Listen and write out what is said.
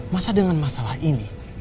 masa dengan masalah ini